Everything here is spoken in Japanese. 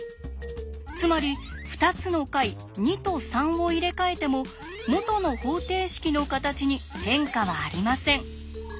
つまり２つの解２と３を入れ替えても元の方程式の形に変化はありません。